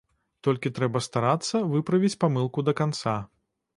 Толькі трэба старацца выправіць памылку да канца.